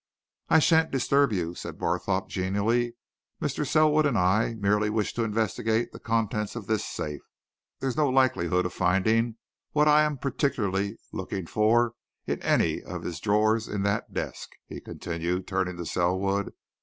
"I shan't disturb you," said Barthorpe, genially. "Mr. Selwood and I merely wish to investigate the contents of this safe. There's no likelihood of finding what I'm particularly looking for in any of his drawers in that desk," he continued, turning to Selwood.